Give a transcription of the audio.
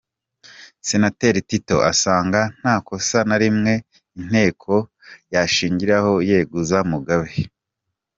Senateri Tito asanga nta kosa na rimwe Inteko yashingiraho yeguza Mugabe.